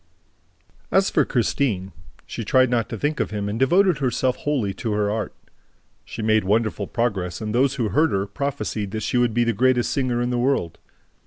As for Christine, she tried not to think of him and devoted herself wholly to her art. She made wonderful progress and those who heard her prophesied that she would be the greatest singer in the world.